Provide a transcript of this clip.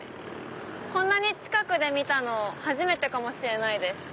こんなに近くで見たの初めてかもしれないです。